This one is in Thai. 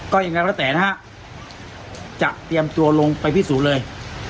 ก็ยังไงก็แล้วแต่นะฮะจะเตรียมตัวลงไปพิสูจน์เลย